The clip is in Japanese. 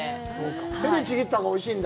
手でちぎったほうが、おいしいんだ。